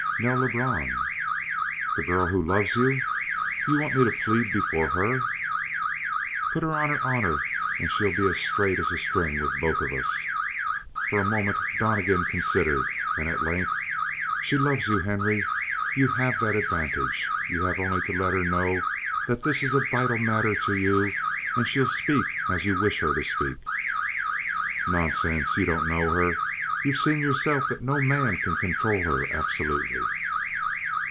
"Nell Lebrun." "The girl who loves you? You want me to plead before her?" "Put her on her honor and she'll be as straight as a string with both of us." For a moment Donnegan considered, and at length: "She loves you, Henry. You have that advantage. You have only to let her know that this is a vital matter to you and she'll speak as you wish her to speak." "Nonsense. You don't know her. You've seen yourself that no man can control her absolutely."